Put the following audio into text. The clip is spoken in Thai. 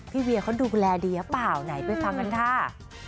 เวียเขาดูแลดีหรือเปล่าไหนไปฟังกันค่ะ